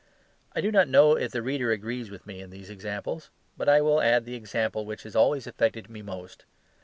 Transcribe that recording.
I do not know if the reader agrees with me in these examples; but I will add the example which has always affected me most.